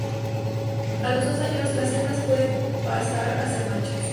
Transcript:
A los dos años las hembras pueden pasar a ser machos.